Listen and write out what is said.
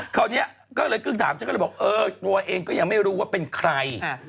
คราวนี้ก็เลยกึ่งถามฉันก็เลยบอกเออตัวเองก็ยังไม่รู้ว่าเป็นใคร